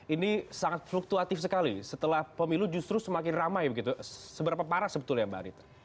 ini sangat fluktuatif sekali setelah pemilu justru semakin ramai begitu seberapa parah sebetulnya mbak arita